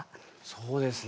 そうですね。